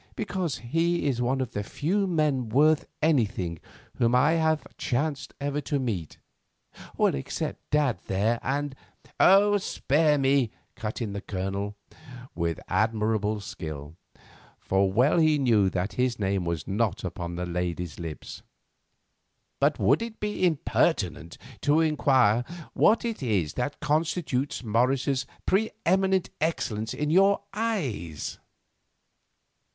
"Because he is one of the few men worth anything whom I ever chanced to meet—except dad there and——" "Spare me," cut in the Colonel, with admirable skill, for well he knew that his name was not upon the lady's lips. "But would it be impertinent to inquire what it is that constitutes Morris's preeminent excellence in your eyes?"